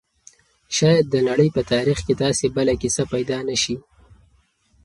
شاید د نړۍ په تاریخ کې داسې بله کیسه پیدا نه شي.